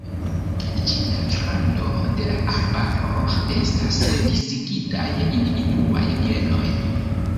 Ĉe la rando de la arbaro estas disigitaj individuaj bienoj.